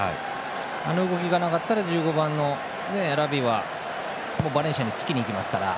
あの動きがなかったら１５番のラウィはバレンシアにつきにいきますから。